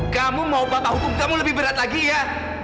kamu mau patah hukum kamu lebih berat lagi ya